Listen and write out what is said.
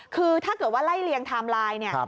คือถ้าเกิดว่าไล่เลียงไทม์ไลน์เนี่ย